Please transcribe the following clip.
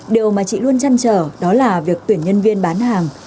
điều mà chị luôn chăn trở đó là việc tuyển nhân viên bán hàng